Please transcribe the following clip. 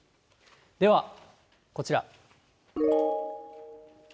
ではこちら。